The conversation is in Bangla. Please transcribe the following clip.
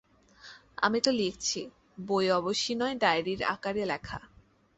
আমি তো লিখছি, বই অবশ্যি নয়-ডায়েরির আকারে লেখা।